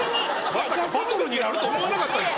まさかバトルになると思わなかったです